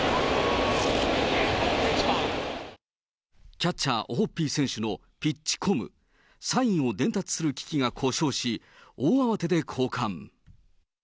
キャッチャー、オホッピー選手のピッチコム、サインを伝達する機器が故障し、大慌てで交換。